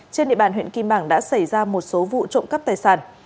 trên địa bàn huyện kim bảng đã xảy ra một số vụ trộm cắp tài sản